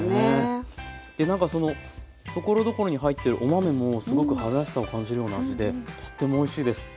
で何かそのところどころに入ってるお豆もすごく春らしさを感じるような味でとってもおいしいです。